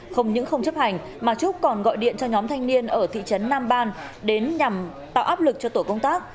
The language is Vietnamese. không những không chấp hành mà trúc còn gọi điện cho nhóm thanh niên ở thị trấn nam ban đến nhằm tạo áp lực cho tổ công tác